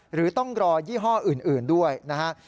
หรือต้องรอยี่ห้ออื่นด้วยนะฮะ